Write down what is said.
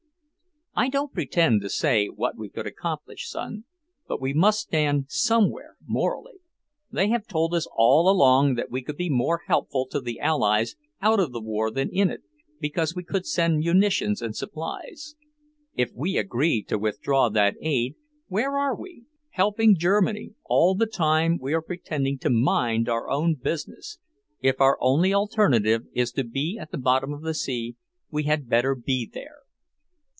"I don't pretend to say what we could accomplish, son. But we must stand somewhere, morally. They have told us all along that we could be more helpful to the Allies out of the war than in it, because we could send munitions and supplies. If we agree to withdraw that aid, where are we? Helping Germany, all the time we are pretending to mind our own business! If our only alternative is to be at the bottom of the sea, we had better be there!"